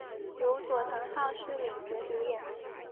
由佐藤浩市领衔主演。